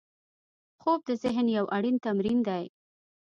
خوب د ذهن یو اړین تمرین دی